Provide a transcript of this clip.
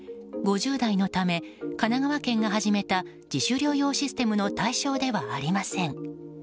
５０代のため神奈川県が始めた自主療養システムの対象ではありません。